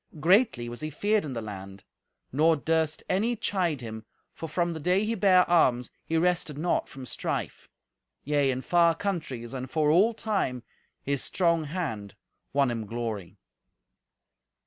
Greatly was he feared in the land; nor durst any chide him, for from the day he bare arms he rested not from strife. Yea, in far countries and for all time, his strong hand won him glory.